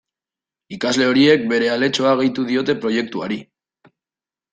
Ikasle horiek bere aletxoa gehitu diote proiektuari.